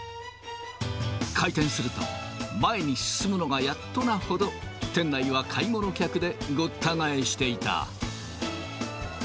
開店すると、前に進むのがやっとなほど、店内は買い物客でごった返していた。